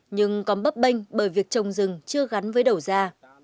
nhưng còn bấp bênh bởi việc trồng rừng chưa gắn với đầu ra